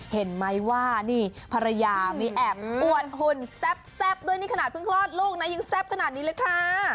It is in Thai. เห็นไหมว่านี่ภรรยามีแอบอวดหุ่นแซ่บด้วยนี่ขนาดเพิ่งคลอดลูกนะยังแซ่บขนาดนี้เลยค่ะ